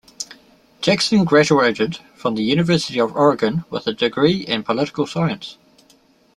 Jackson graduated from the University of Oregon with a degree in political science.